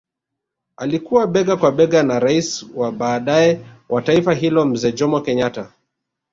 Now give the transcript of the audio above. Alikuwa bega kwa bega na rais wa baadae wa taifa hilo mzee Jomo Kenyatta